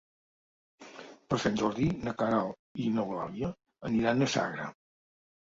Per Sant Jordi na Queralt i n'Eulàlia aniran a Sagra.